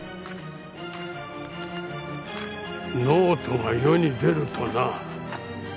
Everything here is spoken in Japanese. ノートが世に出るとな